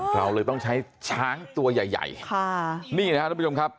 เราเลยต้องใช้ช้างตัวใหญ่ใหญ่ค่ะนี่นะครับทุกผู้ชมครับ